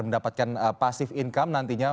mendapatkan passive income nantinya